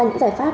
những giải pháp